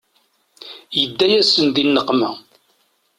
Yedda-yasen di nneqma.